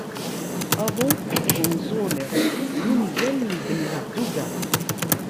"Aḍu n wenẓul" d ungal n Ben Hedduga.